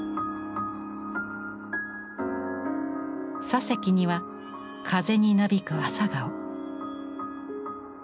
左隻には風になびく朝顔。